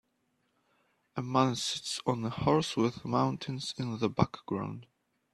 A man sits on a horse with mountains in the background.